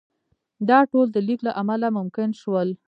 دا ټول د لیک له امله ممکن شول.